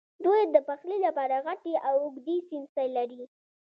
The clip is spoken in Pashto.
دوی د پخلی لپاره غټې او اوږدې څیمڅۍ لرلې.